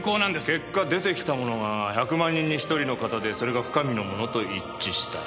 結果出てきたものが１００万人に１人の型でそれが深見のものと一致した。